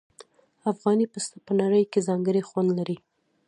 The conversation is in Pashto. افغاني پسته په نړۍ کې ځانګړی خوند لري.